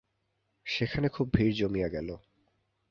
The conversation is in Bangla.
সেখানে খুব ভিড় জমিয়া গেল।